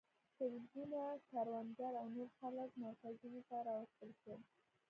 سلګونه کروندګر او نور خلک مرکزونو ته راوستل شول.